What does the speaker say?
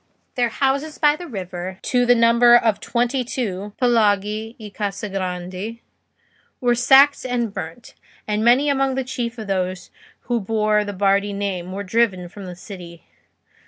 Their houses by the river, to the number of twenty two (palagi e case grandi), were sacked and burnt, and many among the chief of those who bore the Bardi name were driven from the city.